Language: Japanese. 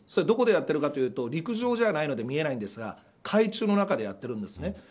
どこでやってるかというと陸上じゃないので見えないんですが海中の中でやっているんです。